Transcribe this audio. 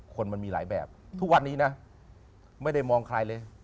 มันมีหลายแบบทุกวันนี้นะไม่ได้มองใครเลย